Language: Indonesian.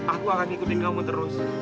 aku akan ikutin kamu terus